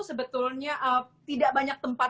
sebetulnya tidak banyak tempat